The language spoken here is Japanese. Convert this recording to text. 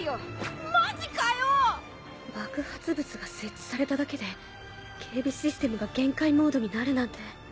爆発物が設置されただけで警備システムが厳戒モードになるなんて。